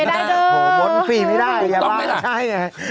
บางฯฟรีไม่ได้ยาบาน้อยพอใช้